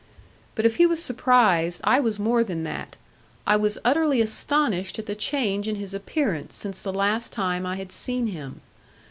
But if he was surprised, I was more than that I was utterly astonished at the change in his appearance since the last time I had seen him.